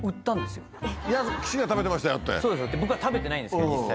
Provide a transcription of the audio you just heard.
僕は食べてないんですけど実際。